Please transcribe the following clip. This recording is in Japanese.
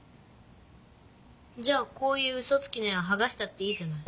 じゃあこういううそつきの絵ははがしたっていいじゃない。